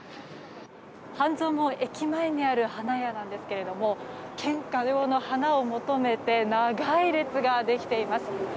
半蔵門駅前にある花屋なんですけれども献花用の花を求めて長い列ができています。